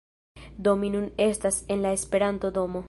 Do mi nun estas en la Esperanto-domo